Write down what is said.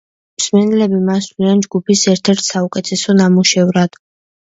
მსმენელები მას თვლიან ჯგუფის ერთ-ერთ საუკეთესო ნამუშევრად.